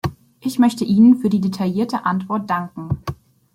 Ich möchte Ihnen für die detaillierte Antwort danken.